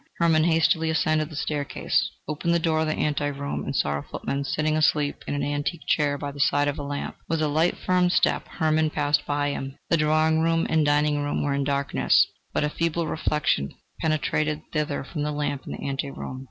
Hermann hastily ascended the staircase, opened the door of the ante room and saw a footman sitting asleep in an antique chair by the side of a lamp. With a light firm step Hermann passed by him. The drawing room and dining room were in darkness, but a feeble reflection penetrated thither from the lamp in the ante room.